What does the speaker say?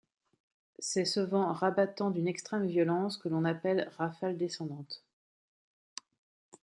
C'est ce vent rabattant d'une extrême violence que l'on appelle rafale descendante.